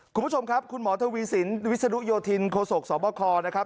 คุณผู้ชมครับคุณหมอทวีสินวิศนุโยธินโคศกสบคนะครับ